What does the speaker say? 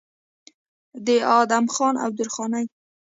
د ادم خان او درخانۍ